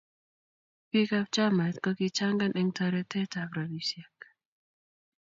Biik ab chamait kokichangan eng toretet ab rabisiek